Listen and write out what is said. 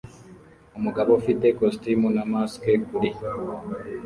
Umugabo ufite ikositimu na mask kuri